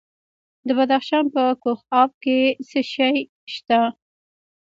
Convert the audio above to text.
د بدخشان په کوف اب کې څه شی شته؟